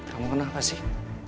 kamu kenapa sih